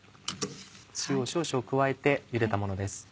塩少々加えてゆでたものです。